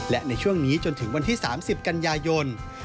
และในช่วงนี้จนถึงวันที่๓๐กันยายน